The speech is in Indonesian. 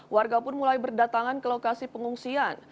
warga pun mulai berdatangan ke lokasi pengungsian